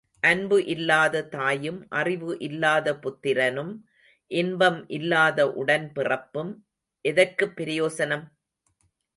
அன்பு இல்லாத தாயும் அறிவு இல்லாத புத்திரனும் இன்பம் இல்லாத உடன்பிறப்பும் எதற்குப் பிரயோசனம்?